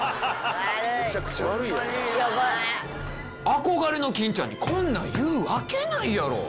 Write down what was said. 憧れの欽ちゃんにこんなん言うわけないやろ！